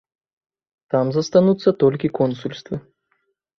Там застануцца толькі консульствы.